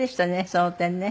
その点ね。